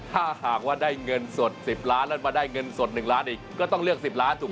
ถ้าหากว่าได้เงินสด๑๐ล้านแล้วมาได้เงินสด๑ล้านอีกก็ต้องเลือก๑๐ล้านถูกไหม